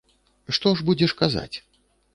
Што ж будзеш казаць?